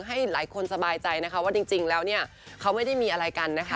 ให้หลายคนสบายใจนะคะว่าจริงแล้วเนี่ยเขาไม่ได้มีอะไรกันนะคะ